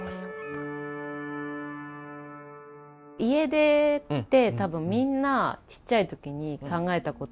家出って多分みんなちっちゃい時に考えたことがあったり